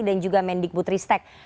dan juga mendik putristek